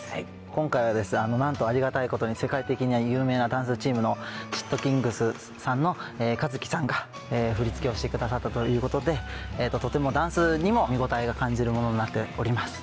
今回はですねなんとありがたいことに世界的に有名なダンスチームのｓｔｋｉｎｇｚさんのｋａｚｕｋｉさんが振り付けをしてくださったということでとてもダンスにも見応えが感じるものになっております。